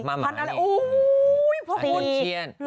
อ๋อมาม่าเนี่ยอู้วพระคุณอันนี้เชียน